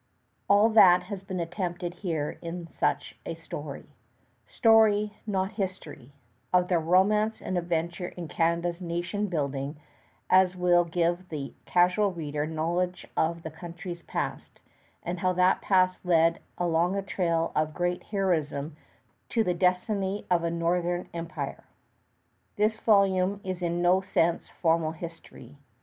All that has been attempted here is such a story story, not history of the romance and adventure in Canada's nation building as will give the casual reader knowledge of the country's past, and how that past led along a trail of great heroism to the destiny of a Northern Empire. This volume is in no sense formal history.